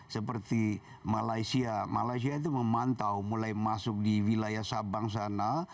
seperti malaysia malaysia itu memantau mulai masuk di wilayah sabang sana